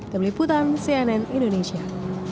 terliputan cnn indonesia